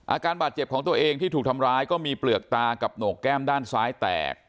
อาการบาดเจ็บของตัวเองที่ถูกทำร้ายก็มีเปลือกตากับโหนกแก้มด้านซ้ายแตก